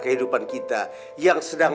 kehidupan kita yang sedang